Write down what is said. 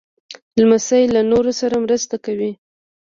لمسی له نورو سره مرسته کوي.